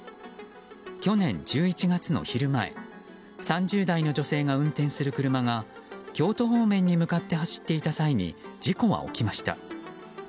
去年１１月の昼前３０代の女性が運転する車が京都方面に向かって走っていた際に事故は起きました。